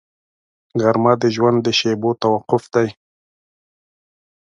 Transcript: غرمه د ژوند د شېبو توقف دی